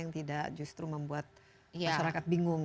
yang tidak justru membuat masyarakat bingung